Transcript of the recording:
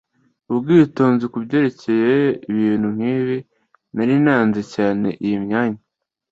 ubwitonzi kubyerekeye ibintu nkibi. nari naranze cyane iyi myanya